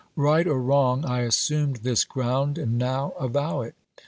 Right or wrong, I assumed this ground, and now avow it.